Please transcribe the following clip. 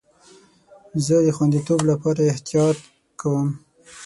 زه د خوندیتوب لپاره احتیاط کوم.